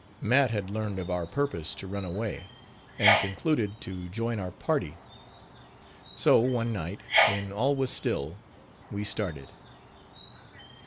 Matt had learned of our purpose to run away, and concluded to join our party. So one night, when all was still, we started.